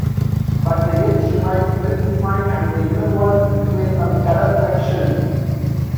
But the edge remains well-defined and the inner walls display some terrace-like shelves.